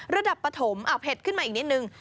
ระดับปฐมเผ็ดขึ้นมาอีกนิดนึง